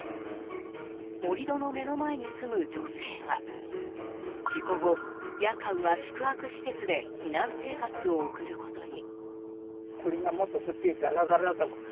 盛り土の目の前に住む女性は事故後夜間は宿泊施設で避難生活を送ることに。